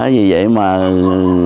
vì vậy mà tất cả